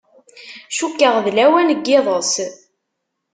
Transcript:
Cukkeɣ d lawan n yiḍes.